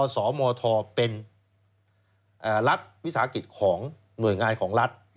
สมทเป็นรัฐวิสาหกิจของหน่วยงานของรัฐ